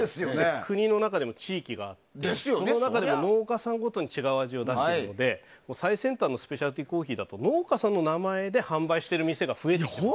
国の中でも地域があってその中でも農家さんごとに違う味を出していて最先端のスペシャルティコーヒーだと農家さんの名前で販売している店が増えてきています。